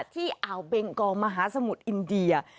อ่าวเบงกอมหาสมุทรอินเดีย